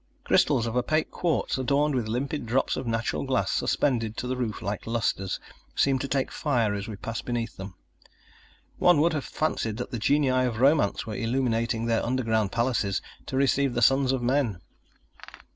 Crystals of opaque quartz, adorned with limpid drops of natural glass suspended to the roof like lusters, seemed to take fire as we passed beneath them. One would have fancied that the genii of romance were illuminating their underground palaces to receive the sons of men.